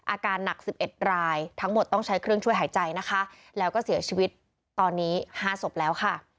อาการหนัก๑๑รายทั้งหมดต้องใช้เครื่องช่วยหายใจนะคะแล้วก็เสียชีวิตตอนนี้๕ศพแล้วค่ะ